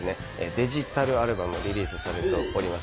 デジタルアルバムがリリースされております